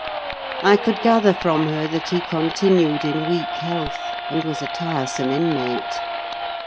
I could gather from her that he continued in weak health, and was a tiresome inmate.